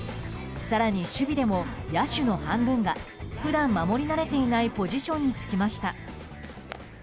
更に、守備でも野手の半分が普段守り慣れていないポジションに就きました。